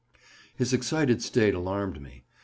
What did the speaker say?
'" His excited state alarmed me.